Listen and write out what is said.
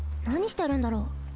なにしてるんだろう？